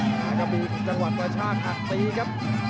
แล้วก็บีวงในจังหวัดประชาติอันตรีครับ